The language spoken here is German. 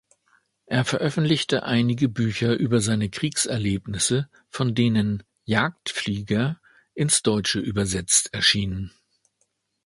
Er veröffentlichte einige Bücher über seine Kriegserlebnisse, von denen „Jagdflieger“ ins Deutsche übersetzt erschien.